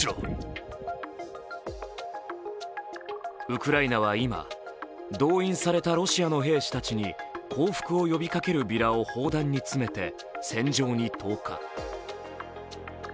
ウクライナは今、動員されたロシアの兵士たちに降伏を呼びかけるビラを砲弾に詰めて戦場に投下。